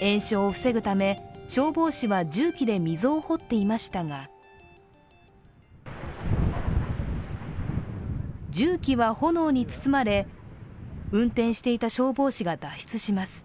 延焼を防ぐため、消防士は重機で溝を掘っていましたが重機は炎に包まれ運転していた消防士が脱出します。